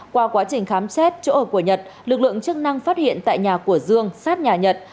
qua quá trình khám xét chỗ ở của nhật lực lượng chức năng phát hiện tại nhà của dương sát nhà nhật